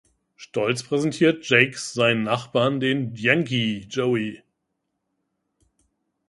Stolz präsentiert Jakes seinen Nachbarn den "Yankee" Joey.